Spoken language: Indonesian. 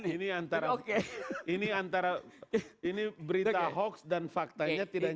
ini antara ini antara ini berita hoax dan faktanya tidak